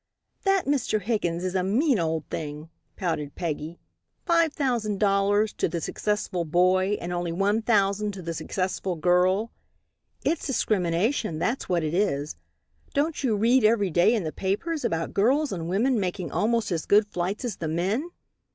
"That Mr. Higgins is a mean old thing," pouted Peggy, "five thousand dollars to the successful boy and only one thousand to the successful girl. It's discrimination, that's what it is. Don't you read every day in the papers about girls and women making almost as good flights as the men?